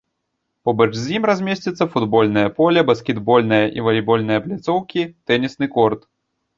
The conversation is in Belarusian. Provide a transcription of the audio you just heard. Побач з ім размесціцца футбольнае поле, баскетбольная і валейбольная пляцоўкі, тэнісны корт.